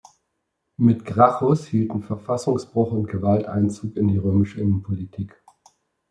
Mit Gracchus hielten Verfassungsbruch und Gewalt Einzug in die römische Innenpolitik.